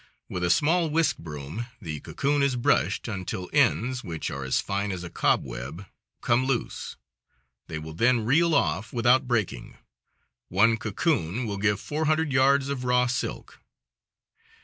With a small whisk broom the cocoon is brushed until ends, which are as fine as a cobweb, come loose. They will then reel off without breaking. One cocoon will give four hundred yards of raw silk.